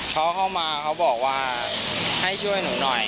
เขาเข้ามาเขาบอกว่าให้ช่วยหนูหน่อย